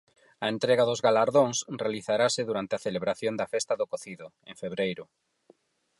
A entrega dos galardóns realizarase durante a celebración da Festa do Cocido, en febreiro.